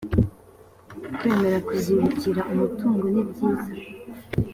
kwemera kuzibukira umutungo nibyiza